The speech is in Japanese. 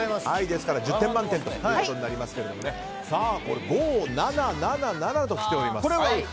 ですから１０点満点ということになりますが５、７、７ときています。